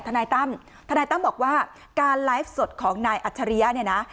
ทนายตั้มทนายตั้มบอกว่าการไลฟ์สดของนายอัจฉริยะเนี่ยนะ